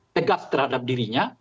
tegas terhadap dirinya